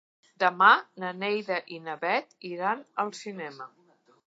Demà na Neida i na Bet iran al cinema.